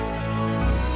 maaf selalu kece